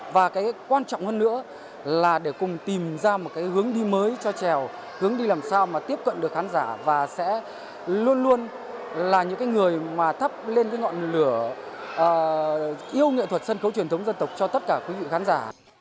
và cái quan trọng hơn nữa là để cùng tìm ra một cái hướng đi mới cho trèo hướng đi làm sao mà tiếp cận được khán giả và sẽ luôn luôn là những cái người mà thắp lên cái ngọn lửa yêu nghệ thuật sân khấu truyền thống dân tộc cho tất cả quý vị khán giả